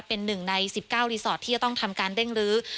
เป็น๑ใน๑๙รีสอร์ทที่จะต้องทำการเร่งรื้อ